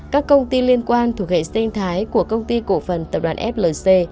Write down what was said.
các công ty liên quan thuộc hệ sinh thái của công ty cổ phần tập đoàn flc